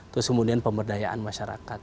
terus kemudian pemberdayaan masyarakat